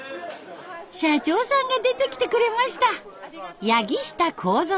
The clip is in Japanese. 社長さんが出てきてくれました。